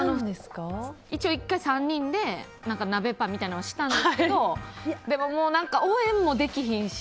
３人で鍋パみたいなのはしたんですけどでも、応援もできひんし。